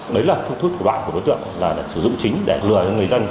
đấy là phương thức của đoạn của đối tượng là sử dụng chính để lừa cho người dân